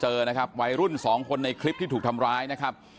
เจอนะครับวัยรุ่นสองคนในคลิปที่ถูกทำร้ายนะครับ